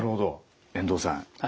遠藤さん